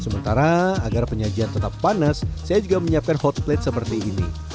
sementara agar penyajian tetap panas saya juga menyiapkan hot plate seperti ini